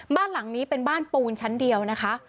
บ้านหลังนี้เป็นบ้านปูนชั้นเดียวนะคะ